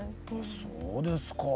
そうですか。